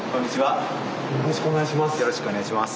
よろしくお願いします。